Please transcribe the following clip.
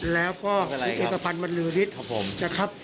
แล้วก็คุณเอกพันธ์บรรลือฤทธิ์นะครับ